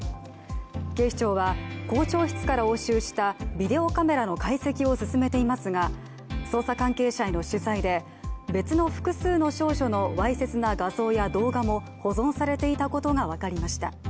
警視庁は校長室から押収したビデオカメラの解析を進めていますが捜査関係者への取材で、別の複数の少女のわいせつな画像や動画も保存されていたことが分かりました。